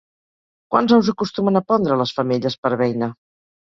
Quants ous acostumen a pondre les femelles per beina?